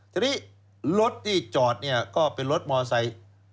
ทีนี้รถที่จอดก็เป็นรถมอเตอร์ไซส์